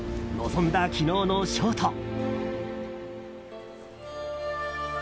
臨んだ、昨日のショート。